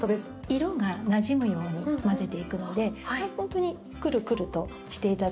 色がなじむように混ぜていくのでホントにくるくるとしていただいて。